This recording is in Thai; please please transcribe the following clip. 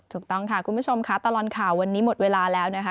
ถูกต้องค่ะคุณผู้ชมค่ะตลอดข่าววันนี้หมดเวลาแล้วนะคะ